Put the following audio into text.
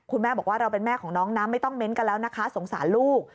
คุณแม่บอกว่าเราเป็นแม่ของน้องนะไม่ต้องเน้นกันแล้วนะคะสงสารลูก